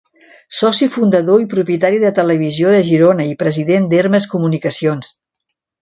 Soci fundador i propietari de Televisió de Girona i president d'Hermes Comunicacions.